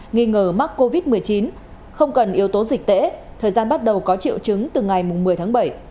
nghi ngờ mắc covid một mươi chín không cần yếu tố dịch tễ thời gian bắt đầu có triệu chứng từ ngày một mươi tháng bảy